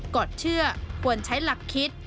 อดเชื่อควรใช้หลักคิด